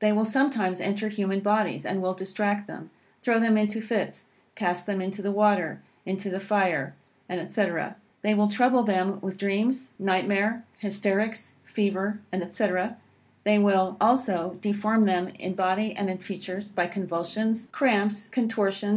They will sometimes enter human bodies, and will distract them, throw them into fits, cast them into the water, into the fire, &c. They will trouble them with dreams, nightmare, hysterics, fever, &c. They will also deform them in body and in features, by convulsions, cramps, contortions, &c.